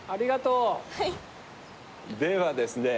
はいではですね